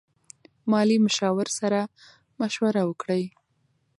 مالي مشاور سره مشوره وکړئ.